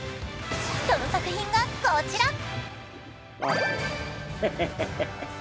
その作品がこちら。